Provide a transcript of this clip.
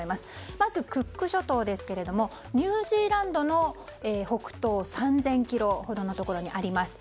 まずクック諸島ですがニュージーランドの北東３０００ｋｍほどのところにあります。